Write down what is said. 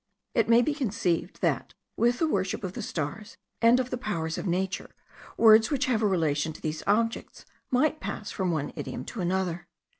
It may be conceived that, with the worship of the stars and of the powers of nature, words which have a relation to these objects might pass from one idiom to another.